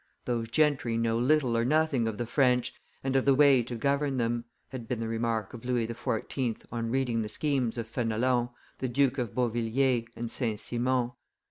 "Those gentry know little or nothing of the French, and of the way to govern them," had been the remark of Louis XIV. on reading the schemes of Fenelon, the Duke of Beauvilliers, and St. Simon.